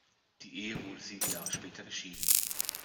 Die Ehe wurde sieben Jahre später geschieden.